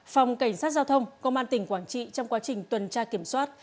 phòng cảnh sát giao thông công an tỉnh quảng trị trong quá trình tuần tra kiểm soát